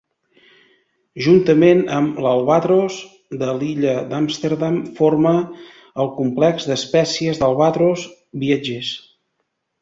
Juntament amb l'albatros de l'illa d'Amsterdam forma el complex d'espècies d'albatros viatgers.